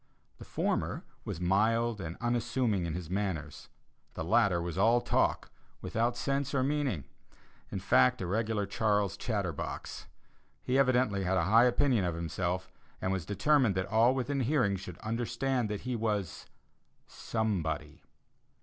The former was mild and unassuming in his manners; the latter was all talk, without sense or meaning in fact, a regular Charles Chatterbox. He evidently had a high opinion of himself, and was determined that all within hearing should understand that he was somebody.